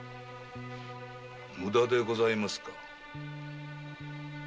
無駄でございますか。